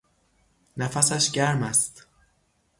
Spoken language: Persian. نفسش گرم است